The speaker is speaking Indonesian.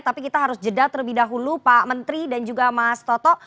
tapi kita harus jeda terlebih dahulu pak menteri dan juga mas toto